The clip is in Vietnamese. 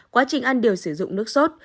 quá trình ăn đều sử dụng nước sốt